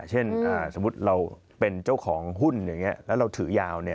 เช่นสมมุติเราเป็นเจ้าของหุ้นอย่างนี้แล้วเราถือยาว